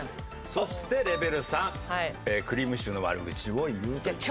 そして「レベル３くりぃむしちゅーの悪口を言う」という事ですね。